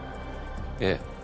ええ。